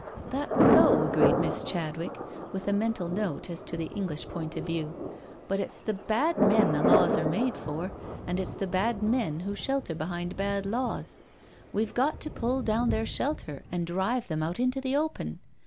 ••That's so," agreed Miss Chadwick, with a mental note as to the English point of view, " but it's the bad men the laws are made for, and it's the bad men who shelter behind bad laws. We've got to pull down their shelter and drive them out into the open.